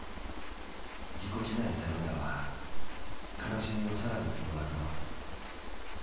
ぎこちないサヨナラは悲しみをさらに募らせます。